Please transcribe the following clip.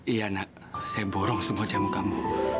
iya nak saya borong semua jamu kamu